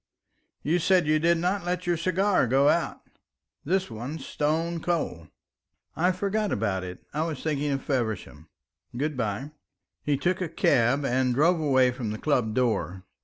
"You said that you did not let your cigars go out. This one's stone cold." "I forgot about it; I was thinking of Feversham. Good bye." He took a cab and drove away from the club door.